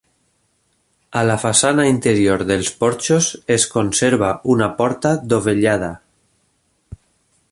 A la façana interior dels porxos es conserva una porta dovellada.